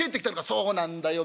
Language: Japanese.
「そうなんだよ